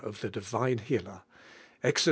I lie divine Healer (Exod.